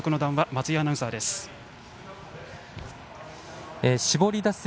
松井アナウンサーです。